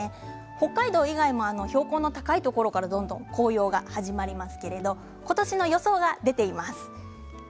北海道以外の標高の高いところからどんどん紅葉が始まりますけれど今年の予想が出ています。